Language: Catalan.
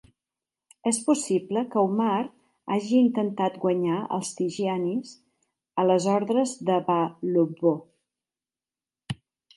És possible que Umar hagi intentat guanyar els Tijanis a les ordres de Ba Lobbo.